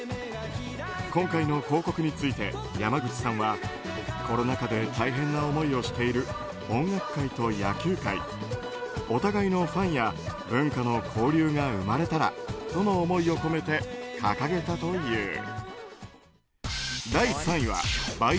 今回の広告について、山口さんはコロナ禍で大変な思いをしている音楽界と野球界お互いのファンや文化の交流が生まれたらとの思いを込めて掲げたという。